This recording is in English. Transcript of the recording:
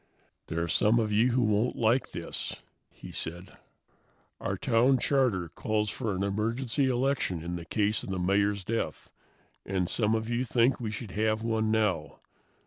"There are some of you who won't like this," he said. "Our town charter calls for an emergency election in case of the Mayor's death, and some of you think we should have one now.